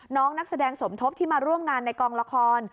นักแสดงสมทบที่มาร่วมงานในกองละคร